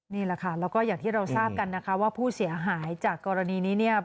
นี่แหละค่ะแล้วก็อย่างที่เราทราบกันนะคะว่าผู้เสียหายจากกรณีนี้เนี่ย